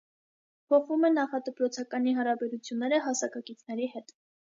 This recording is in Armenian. Փոխվում է նախադպրոցականի հարաբերությունները հասակակիցների հետ։